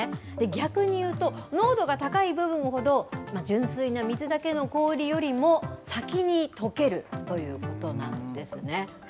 逆にいうと濃度が高い部分ほど、純粋な水だけの氷よりも先にとけるということなんですね。